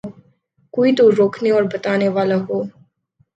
کوئی تو روکنے اور بتانے والا ہو۔